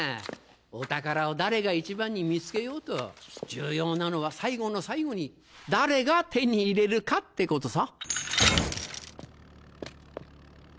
お宝を誰が一番に見つけようと重要なのは最後の最後に誰が手に入れるかってことさ。